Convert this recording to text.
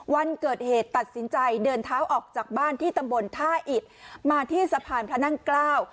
วันเกิดเหตุตัดสินใจเดินเท้าออกจากบ้านที่ตำบลท่าอิดมาที่สะพานพระนั่งเกล้า